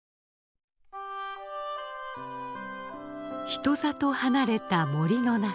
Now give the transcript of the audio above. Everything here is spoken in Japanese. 人里離れた森の中。